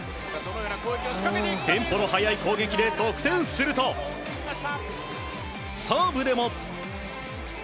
テンポの速い攻撃で得点するとサーブでも。